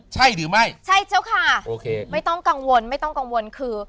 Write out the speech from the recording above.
ใช่หรือไม่ใช่เจ้าค่ะโอเคไม่ต้องกังวลไม่ต้องกังวลคือ